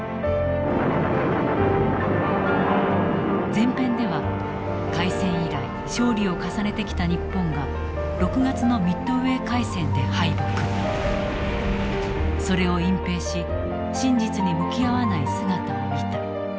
前編では開戦以来勝利を重ねてきた日本が６月のミッドウェー海戦で敗北それを隠蔽し真実に向き合わない姿を見た。